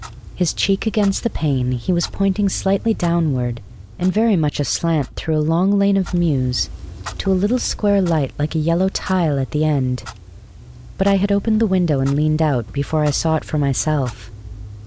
His cheek against the pane, he was pointing slightly downward and very much aslant through a long lane of mews to a little square light like a yellow tile at the end. But I had opened the window and leaned out before I saw it for myself.